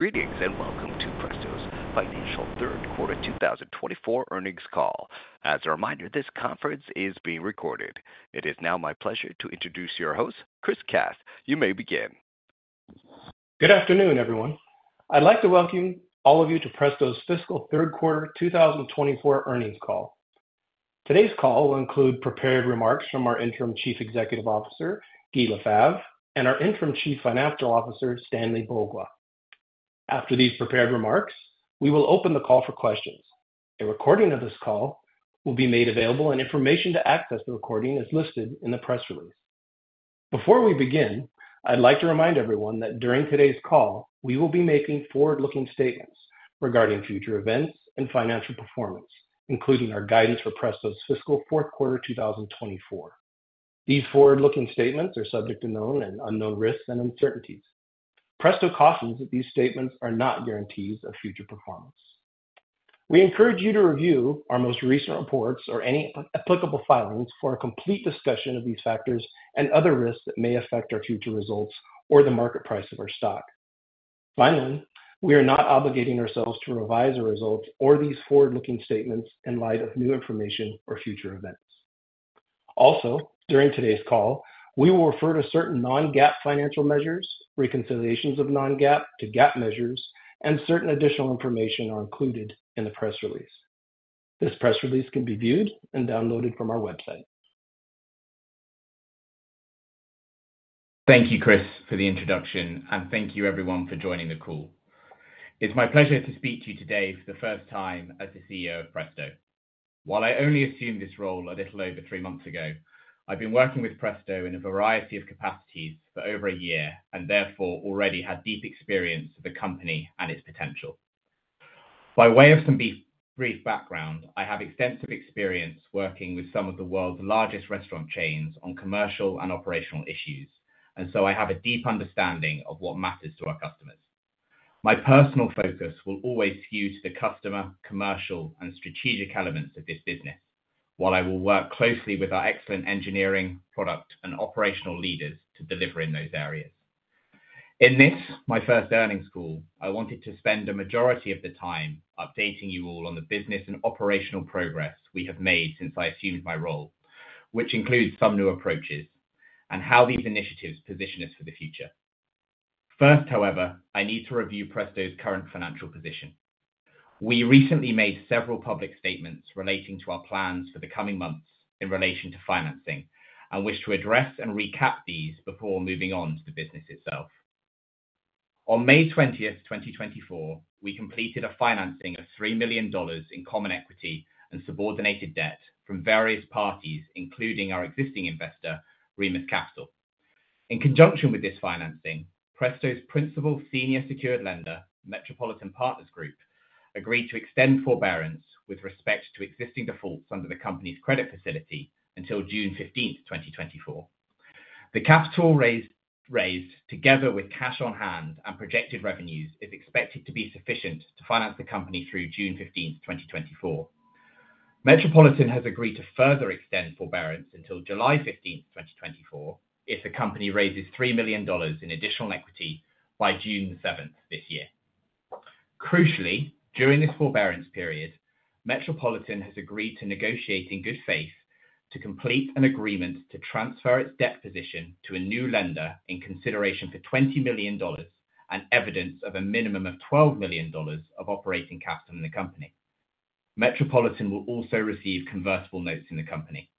Greetings, and welcome to the Presto's Financial Third Quarter 20 24 Earnings Call. As a reminder, this conference is being recorded. It is now my pleasure to introduce your host, Chris Cass. You may begin. Good afternoon, everyone. I'd like to welcome all of you to Presto's fiscal Q3 2024 Earnings Call. Today's call will include prepared remarks from our Interim Chief Executive Officer, Guy Lafave and our Interim Chief Financial Officer, Stanley Bogla. After these prepared remarks, we will open the call for questions. A recording of this call will be made available and information to access the recording is listed in the press release. Before we begin, I'd like to remind everyone that during today's call, we will be making forward looking statements regarding future events and financial performance, including our guidance for Presto's fiscal Q4 2024. These forward looking statements are subject to known and unknown risks and uncertainties. Presto cautions that these statements are not guarantees of future performance. We encourage you to review our most recent reports or any applicable filings for a complete discussion of these factors and other risks that may affect our future results or the market price of our stock. Finally, we are not obligating ourselves to revise our results or these forward looking statements in light of new information or future events. Also, during today's call, we will refer to certain non GAAP financial measures, reconciliations of non GAAP to GAAP measures and certain additional information are included in the press release. This press release can be viewed and downloaded from our website. Thank you, Chris, for the introduction, and thank you, everyone, for joining the call. It's my pleasure to speak to you today for the first time as the CEO of Presto. While I only assumed this role a little over 3 months ago, I've been working with Presto in a variety of capacities for over a year and therefore already had deep experience of the company and its potential. By way of some brief background, I have extensive experience working with some of the world's largest restaurant chains on commercial and operational issues, and so I have a deep understanding of what matters to our customers. My personal focus will always skew to the customer, commercial and strategic elements of this business, while I will work closely with our excellent engineering, product and operational leaders to deliver in those areas. In this, my first earnings call, I wanted to spend a majority of the time updating you all on the business and operational progress we have made since I assumed my role, which includes some new approaches and how these initiatives position us for the future. 1st, however, I need to review Presto's current financial position. We recently made several public statements relating to our plans for the coming months in relation to financing and wish to address and recap these before moving on to the business itself. On May 20, 2024, we completed a financing of $3,000,000 in common equity and subordinated debt from various parties, including our existing investor, Remus Capital. In conjunction with this financing, Presto's principal senior secured lender, Metropolitan Partners Group, agreed to extend forbearance with respect to existing defaults under the company's credit facility until June 15, 2024. The capital raise, together with cash on hand and projected revenues, is expected to be sufficient to finance the company through June 15, 2024. Metropolitan has agreed to further extend forbearance until July 15, 2024, if the company raises $3,000,000 in additional equity by June 7 this year. Crucially, during this forbearance period, Metropolitan has agreed to negotiate in good faith to complete an agreement to transfer its debt position to a new lender in consideration for $20,000,000 and evidence of a minimum of $12,000,000 of operating capital in the company. Metropolitan will also receive convertible notes in the company.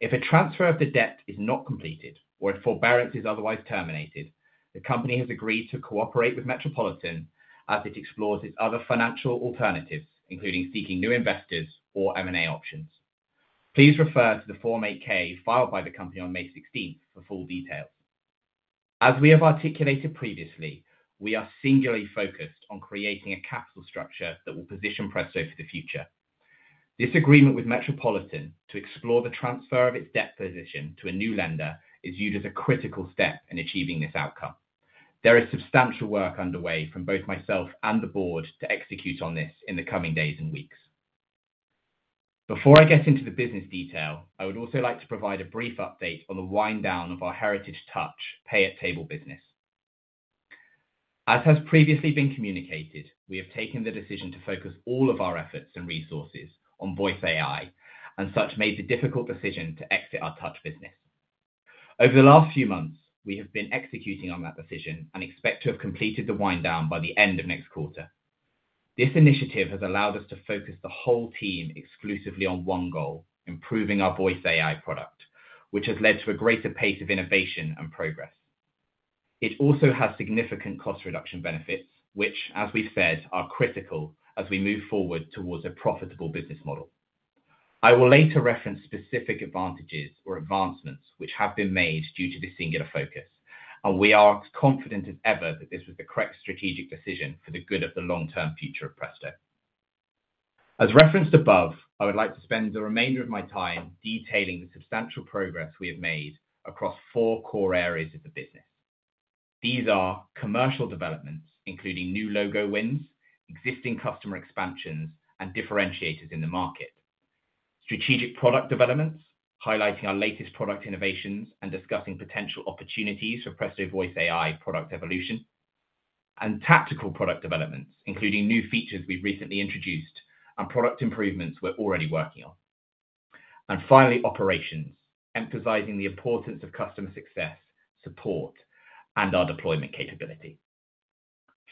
If a transfer of the debt is not completed or if forbearance is otherwise terminated, the company has agreed to cooperate with Metropolitan as it explores its other financial alternatives, including seeking new investors or M and A options. Please refer to the Form 8 ks filed by the company on May 16 for full details. As we have articulated previously, we are singularly focused on creating a capital structure that will position Presto for the future. This agreement with Metropolitan to explore the transfer of its debt position to a new lender is used as a critical step in achieving this outcome. There is substantial work underway from both myself and the Board to execute on this in the coming days weeks. Before I get into the business detail, I would also like to provide a brief update on the wind down of our heritage touch pay at table business. As has previously been communicated, we have taken the decision to focus all of our efforts and resources on voice AI and such made the difficult decision to exit our touch business. Over the last few months, we have been executing on that decision and expect to have completed the wind down by the end of next quarter. This initiative has allowed us to focus the whole team exclusively on one goal, improving our voice AI product, which has led to a greater pace of innovation and progress. It also has significant cost reduction benefits, which, as we said, are critical as we move forward towards a profitable business model. I will later reference specific advantages or advancements which have been made due to the singular focus, and we are confident as ever that this was the correct strategic decision for the good of the long term future of Presto. As referenced above, I would like to spend the remainder of my time detailing the substantial progress we have made across 4 core areas of the business. These are commercial developments, including new logo wins, existing customer expansions and differentiators in the market strategic product developments, highlighting our latest product innovations and discussing potential opportunities for Presto Voice AI product evolution and tactical product developments, including new features we've recently introduced and product improvements we're already working on and finally, operations, emphasizing the importance of customer success, support and our deployment capability.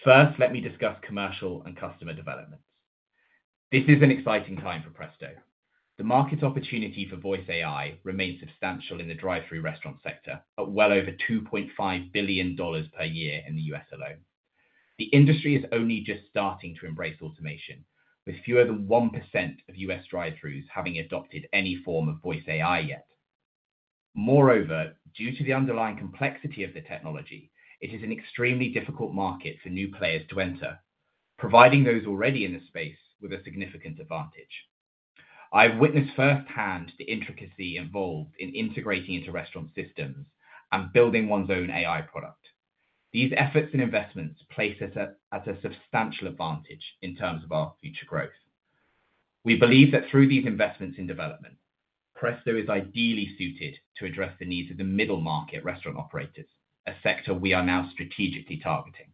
1st, let me discuss commercial and customer developments. This is an exciting time for Presto. The market opportunity for voice AI remains substantial in the drive thru restaurant sector at well over $2,500,000,000 per year in the U. S. Alone. The industry is only just starting to embrace automation with fewer than 1% of U. S. Drive throughs having adopted any form of voice AI yet. Moreover, due to the underlying complexity of the technology, it is an extremely difficult market for new players to enter, providing those already in the space with a significant advantage. I witnessed firsthand the intricacy involved in integrating into restaurant systems and building one's own AI product. These efforts and investments place us at a substantial advantage in terms of our future growth. We believe that through these investments in development, Cresto is ideally suited to address the needs of the middle market restaurant operators, a sector we are now strategically targeting.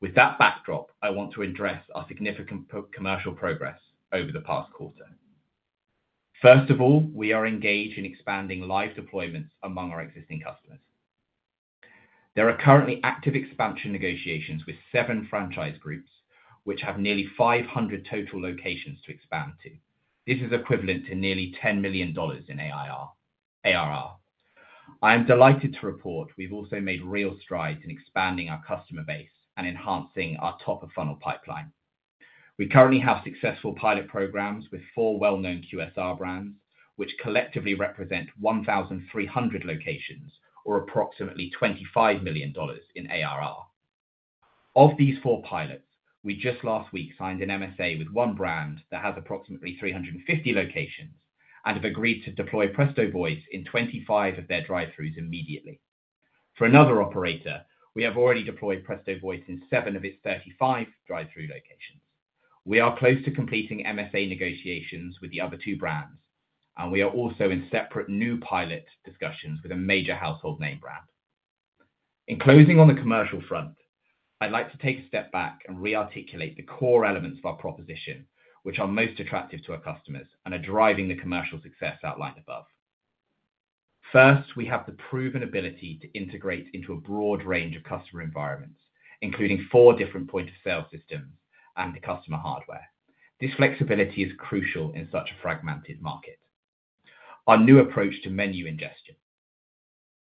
With that backdrop, I want to address our significant commercial progress over the past quarter. First of all, we are engaged in expanding live deployments among our existing customers. There are currently active expansion negotiations with 7 franchise groups, which have nearly 500 total locations to expand to. This is equivalent to nearly $10,000,000 in ARR. I am delighted to report we've also made real strides in expanding our customer base and enhancing our top of funnel pipeline. We currently have successful pilot programs with 4 well known QSR brands, which collectively represent 1300 locations or approximately $25,000,000 in ARR. Of these 4 pilots, we just last week signed an MSA with 1 brand that has 350 locations and have agreed to deploy Presto Voice in 25 of their drive thrus immediately. For another operator, we have already deployed Presto Voice in 7 of its 35 drive thru locations. We are close to completing MSA negotiations with the other two brands, and we are also in separate new pilot discussions with a major household name brand. In closing on the commercial front, I'd like to take a step back and re articulate the core elements of our proposition, which are most attractive to our customers and are driving the commercial success outlined above. First, we have the proven ability to integrate into a broad range of customer environments, including 4 different point of sale systems and the customer hardware. This flexibility is crucial in such a fragmented market. Our new approach to menu ingestion.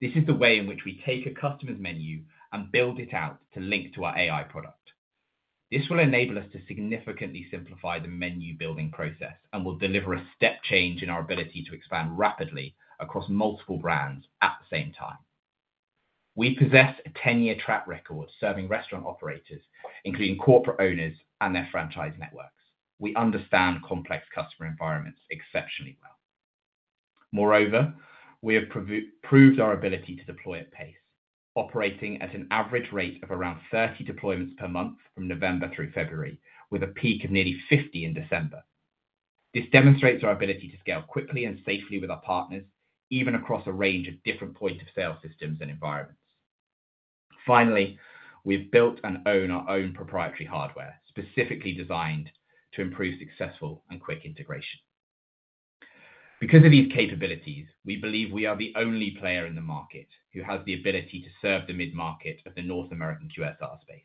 This is the way in which we take a customer's menu and build it out to link to our AI product. This will enable us to significantly simplify the menu building process and will deliver a step change in our ability to expand rapidly across multiple brands at the same time. We possess a 10 year track record serving restaurant including corporate owners and their franchise networks. We understand complex customer environments exceptionally well. Moreover, we have proved our ability to deploy at pace, operating at an average rate of around 30 deployments per month from November through February, with a peak of nearly 50 in December. This demonstrates our ability to scale quickly and safely with our partners, even across a range of different point of sale systems and environments. Finally, we've built and own our own proprietary hardware specifically designed to improve successful and quick integration. Because of these capabilities, we believe we are the only player in the market who has the ability to serve the mid market of the North American QSR space.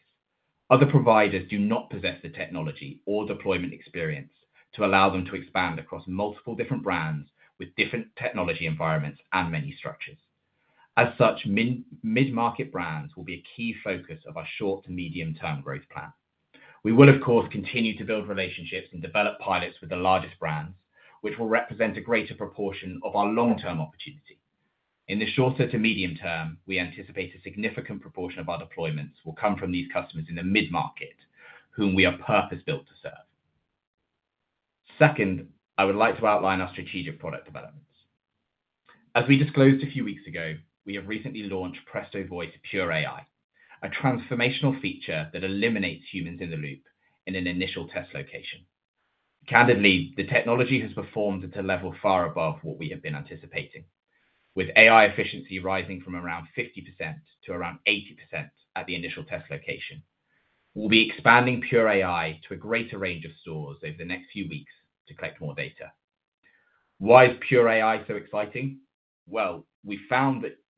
Other providers do not possess the technology or deployment experience to allow them to expand across multiple different brands with different technology environments and menu structures. As such, mid market brands will be a key focus of our short to medium term growth plan. We will, of course, continue to build relationships and develop pilots with the largest brands, which will represent a greater proportion of our long term opportunity. In the shorter to medium term, we anticipate a significant proportion of our deployments will come from these customers in the mid market, whom we are purpose built to serve. 2nd, I would like to outline our strategic product developments. As we disclosed a few weeks ago, we have recently launched Presto Voice Pure AI, a transformational feature that eliminates humans in the loop in an initial test location. Candidly, the technology has performed at a level far above what we have been anticipating, with AI efficiency rising from around 50% to around 80% at the initial test location. We'll be expanding PURE AI to a greater range of stores over the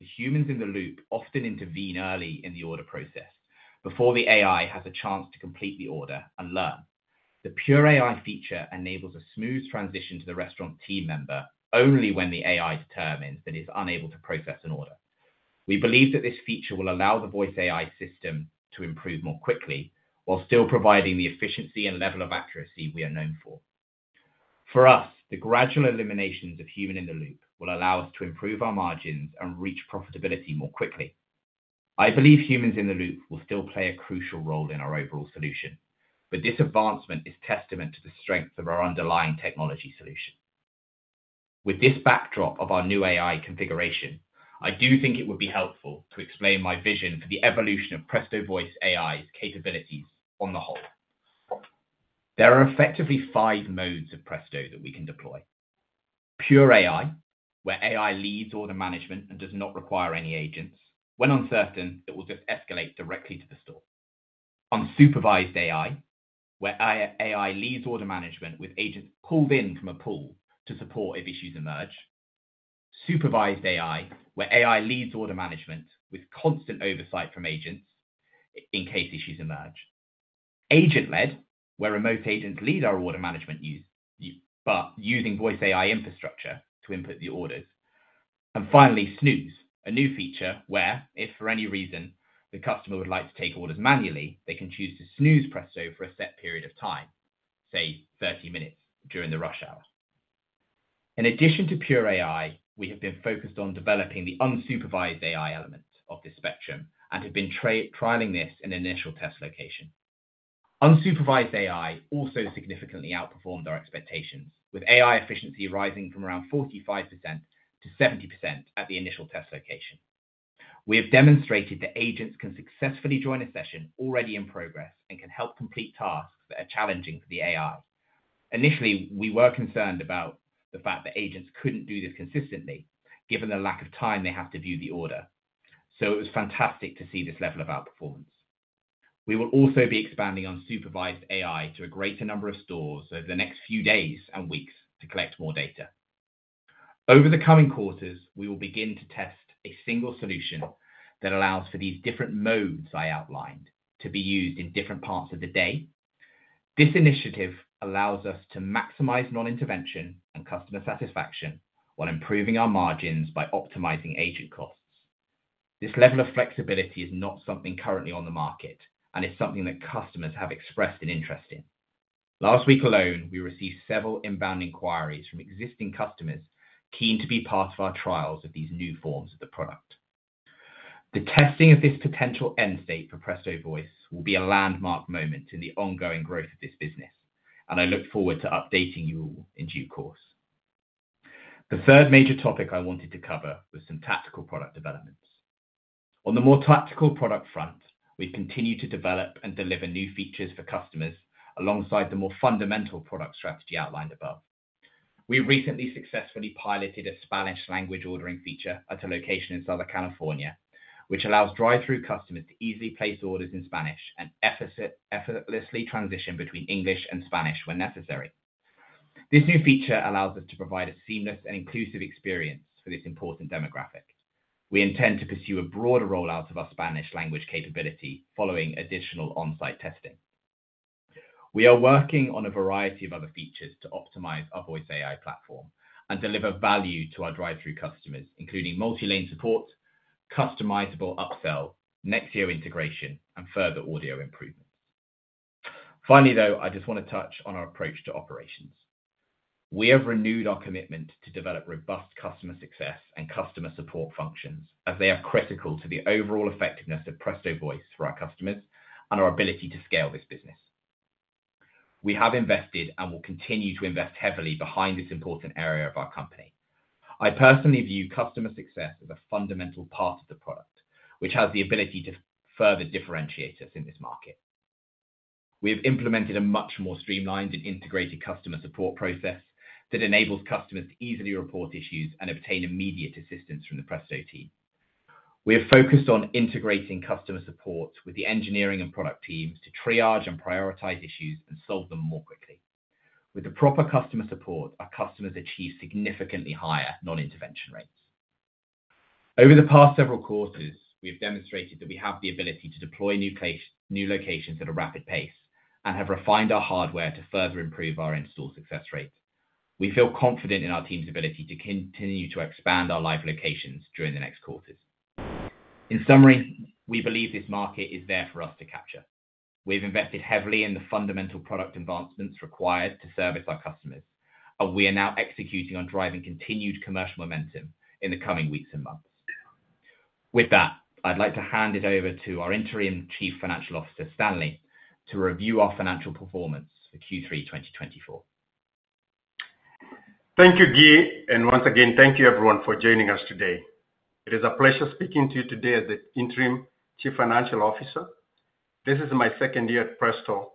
next few weeks to collect more data. Why is PURE AI so exciting? Well, we found that humans in the loop often intervene early in the order process before the AI has a chance to complete the order and learn. The Pure AI feature enables a smooth transition to the restaurant team member only when the AI's term is that it's unable to process an order. We believe that this feature will allow the voice AI system to improve more quickly, while still providing the efficiency and level of accuracy we are known for. For us, the gradual eliminations of human in the loop will allow us to improve our margins and reach profitability more quickly. I believe humans in the loop will still play a crucial role in our overall solution, but this advancement is testament to the strength of our underlying technology solution. With this backdrop of our new AI configuration, I do think it would be helpful to explain my vision for the evolution of Presto Voice AI's capabilities on the whole. There are effectively 5 modes of Presto that we can deploy: pure AI, where AI leads order management and does not require any agents, when uncertain, that will just escalate directly to the store Unsupervised AI, where AI leads order management with agents pulled in from a pool to support if issues emerge. Supervised AI, where AI leads order management with constant oversight from agents in case issues emerge agent led, where remote agents lead our order management use but using voice AI infrastructure to input the orders And finally, Snooze, a new feature where, if for any reason, the customer would like to take orders manually, they can choose to snooze Presto for a set period of time, say 30 minutes during the rush hour. In addition to pure AI, we have been focused on developing the unsupervised AI element of this spectrum and have been trialing this in initial test location. Unsupervised AI also significantly outperformed our expectations with AI efficiency rising from around 45% to 70% at the initial test location. We have demonstrated that agents can successfully join a session already in progress and can help complete tasks that are challenging for the AR. Initially, we were concerned about the fact that agents couldn't do this consistently given the lack of time they have to view the order. So it was fantastic to see this level of outperformance. We will also be expanding on supervised AI to a greater number of stores over the next few days weeks to collect more data. Over the coming quarters, we will begin to test a single solution that allows for these different modes I outlined to be used in different parts of the day. This initiative allows us to maximize non intervention and customer satisfaction while improving our margins by optimizing agent costs. This level of flexibility is not something currently on the market and is something that customers have expressed an interest in. Last week alone, we received several inbound inquiries from existing customers keen to be part of our trials of these new forms of the product. The testing of this potential end state for Presto Voice will be a landmark moment in the ongoing growth of this business, and I look forward to updating you all in due course. The 3rd major topic I wanted to cover was some tactical product developments. On the more tactical product front, we continue to develop and deliver new features for customers alongside the more fundamental product strategy outlined above. We recently successfully piloted a Spanish language ordering feature at a location in Southern California, which allows drive thru customers to easily place orders in Spanish and effortlessly transition between English and Spanish when necessary. This new feature allows us to provide a seamless and inclusive experience for this important demographic. We intend to pursue a broader rollout of our Spanish language capability following additional on-site testing. We are working on a variety of other features to optimize our voice AI platform and deliver value to our drive thru customers, including multi lane support, customizable upsell, Nexeo integration and further audio improvements. Finally, though, I just want to touch on our approach to operations. We have renewed our commitment to develop robust customer success and customer support functions as they are critical to the overall effectiveness of Presto Voice for our customers and our ability to scale this business. We have invested and will continue to invest heavily behind this important area of our company. I personally view customer success as a fundamental part of the product, which has the ability to further differentiate us in this market. We have implemented a much more streamlined and integrated customer support process that enables customers to easily report issues and obtain immediate assistance from the Presto team. We are focused on integrating customer support with the engineering and product teams to triage and prioritize issues and solve them more quickly. With the proper customer support, our customers achieve significantly higher non intervention rates. Over the past several quarters, we've demonstrated that we have the ability to deploy new locations at a rapid pace and have refined our hardware to further improve our installed success rate. We feel confident in our team's ability to continue to expand our live locations during the next quarters. In summary, we believe this market is there for us to capture. We've invested heavily in the fundamental product advancements required to service our customers, and we are now executing on driving continued commercial momentum in the coming weeks months. With that, I'd like to hand it over to our interim Chief Financial Officer, Stanley, to review our financial performance for Q3 2024. Thank you, Guy, and once again, thank you, everyone, for joining us today. It is a pleasure speaking to you today as the Interim Chief Financial Officer. This is my 2nd year at Presto.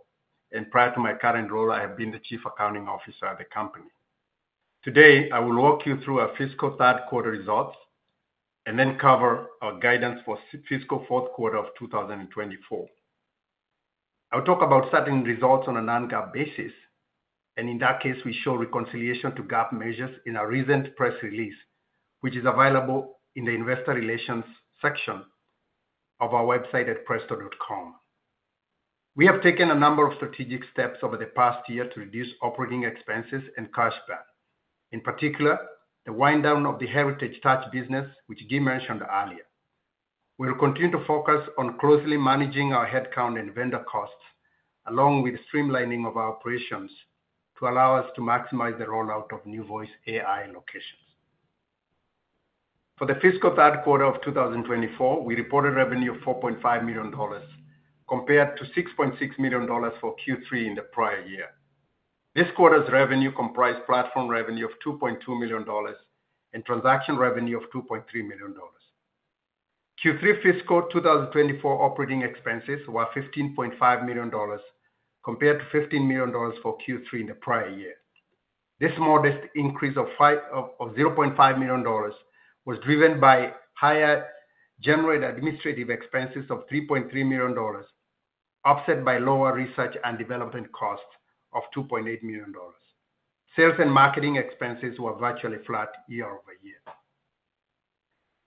And prior to my current role, I have been the Chief Accounting Officer of the company. Today, I will walk you through our fiscal Q3 results and then cover our guidance for fiscal Q4 of 2024. I'll talk about certain results on a non GAAP basis. And in that case, we show reconciliation to GAAP measures in our recent press release, which is available in the Investor Relations section of our website at presto.com. We have taken a number of strategic steps over the past year to reduce operating expenses and cash back, in particular, the wind down of the heritage touch business, which Guy mentioned earlier. We will continue to focus on closely managing our headcount and vendor costs, along with streamlining of our operations to allow us to maximize the rollout of NewVoice AI locations. For the fiscal Q3 of 2024, we reported revenue of $4,500,000 compared to $6,600,000 for Q3 in the prior year. This quarter's revenue comprised platform revenue of $2,200,000 and transaction revenue of $2,300,000 Q3 fiscal 2024 operating expenses were $15,500,000 compared to $15,000,000 for Q3 in the prior year. This modest increase of $500,000 was driven by higher general and administrative expenses of $3,300,000 offset by lower research and development costs of $2,800,000 Sales and marketing expenses were virtually flat year over year.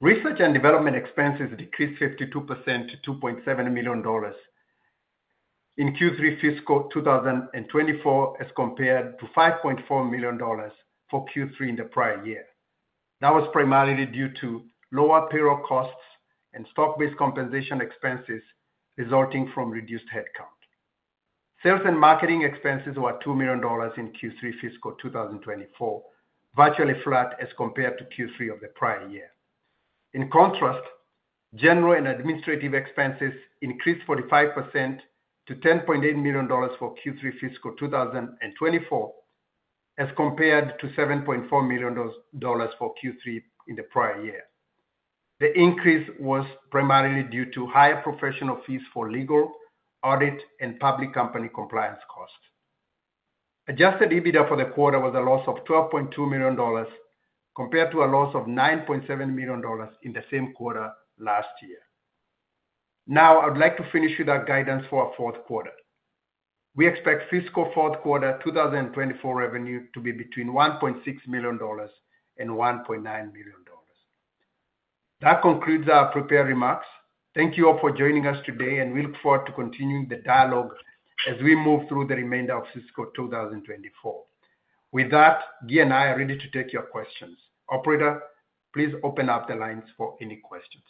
Research and development expenses decreased 52 percent to $2,700,000 in Q3 fiscal 2024 as compared to $5,400,000 for Q3 in the prior year. That was primarily due to lower payroll costs and stock based compensation expenses resulting from reduced headcount. Sales and marketing expenses were $2,000,000 in Q3 fiscal 2024, virtually flat as compared to Q3 of the prior year. In contrast, general and administrative expenses increased 45% to $10,800,000 for Q3 fiscal 2024 as compared to $7,400,000 for Q3 in the prior year. The increase was primarily due to higher professional fees for legal, audit and public company compliance costs. Adjusted EBITDA for the quarter was a loss of $12,200,000 compared to a loss of $9,700,000 in the same quarter last year. Now I would like to finish with our guidance for our 4th quarter. We expect fiscal Q4 2024 revenue to be between $1,600,000 $1,900,000,000 That concludes our prepared remarks. Thank you all for joining us today, and we look forward to continuing the dialogue as we move through the remainder of fiscal 2024. With that, Guy and I are ready to take your questions. Operator, please open up the lines for any questions.